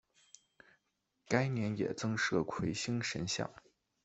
该年也增设魁星神像。